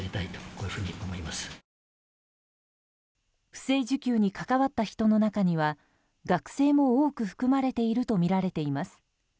不正受給に関わった人の中には学生も多く含まれているとみられています。